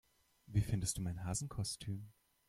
Wie findest du mein Hasenkostüm?